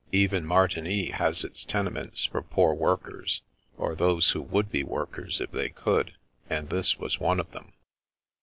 Even Martigny has its tenements for poor workers, or those who would be workers if they could, and this was one of them.